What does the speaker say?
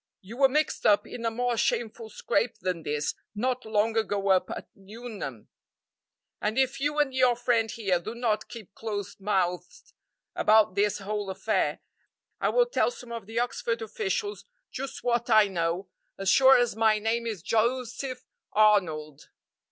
You were mixed up in a more shameful scrape than this not long ago up at Nuneham, and if you and your friend here do not keep close mouthed about this whole affair, I will tell some of the Oxford officials just what I know as sure as my name is Joseph Arnold.